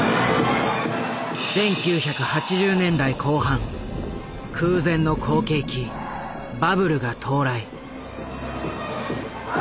１９８０年代後半空前の好景気バブルが到来。